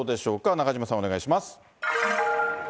中島さん、お願いします。